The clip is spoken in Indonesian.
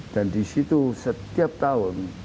dan di situ setiap tahun